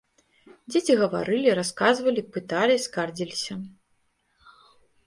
Дзеці гаварылі, расказвалі, пыталі, скардзіліся.